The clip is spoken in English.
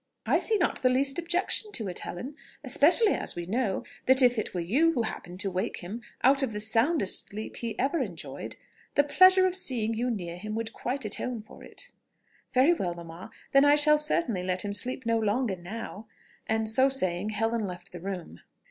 "I see not the least objection to it, Helen; especially as we know, that if it were you who happened to wake him out of the soundest sleep he ever enjoyed, the pleasure of seeing you near him would quite atone for it." "Very well mamma, then I shall certainly let him sleep no longer now;" and, so saying, Helen left the room.